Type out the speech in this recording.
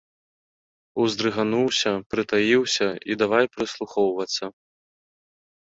Уздрыгануўся, прытаіўся і давай прыслухоўвацца.